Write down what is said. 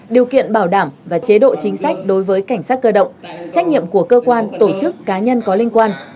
điều kiện bảo đảm và chế độ chính sách đối với cảnh sát cơ động trách nhiệm của cơ quan tổ chức cá nhân có liên quan